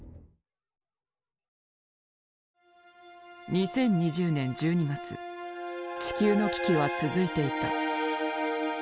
２０２０年１２月地球の危機は続いていた。